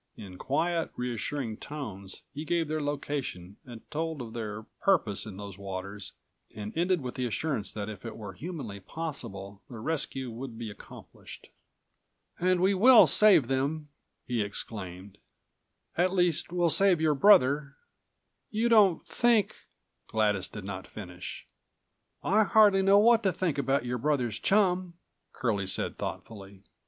In quiet, reassuring tones he gave their location and told of their purpose in those waters and ended with the assurance that if it were humanly possible the rescue should be accomplished. "And we will save them," he exclaimed. "At least we'll save your brother." "You don't think—" Gladys did not finish. "I hardly know what to think about your brother's chum," Curlie said thoughtfully.